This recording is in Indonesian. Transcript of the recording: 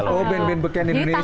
oh band band beken indonesia